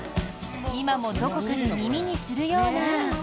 今もどこかで耳にするような。